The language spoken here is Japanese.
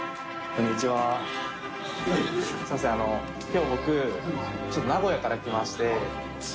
きょう僕ちょっと名古屋から来まして。